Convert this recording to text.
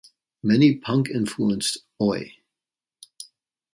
Many punk-influenced Oi!